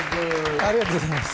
ありがとうございます。